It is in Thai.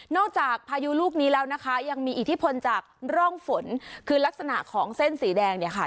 จากพายุลูกนี้แล้วนะคะยังมีอิทธิพลจากร่องฝนคือลักษณะของเส้นสีแดงเนี่ยค่ะ